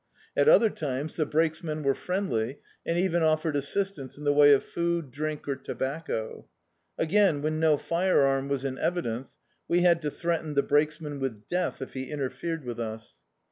At other times the brakesmen were friendly, and even offered assistance in the way of food, drink or tobacco. Again, when no firearm was in evidence, we had to threaten the brakesman with death if he interfered with us.